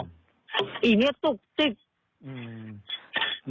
อีกเนี่ยตุ๊กตึ๊ก